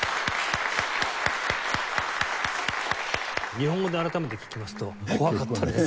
日本語で改めて聴きますと怖かったです。